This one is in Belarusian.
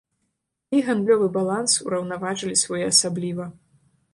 Ды і гандлёвы баланс ўраўнаважылі своеасабліва.